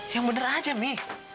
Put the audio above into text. yang bener aja mi